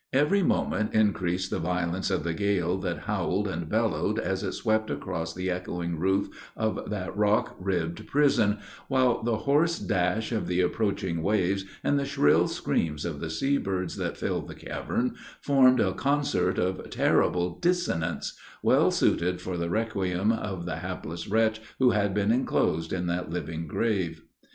Every moment increased the violence of the gale that howled and bellowed as it swept around the echoing roof of that rock ribbed prison; while the hoarse dash of the approaching waves, and the shrill screams of the sea birds that filled the cavern, formed a concert of terrible dissonance, well suited for the requiem, of the hapless wretch who had been enclosed in that living grave!